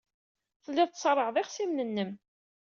Telliḍ tṣerrɛeḍ ixṣimen-nnem.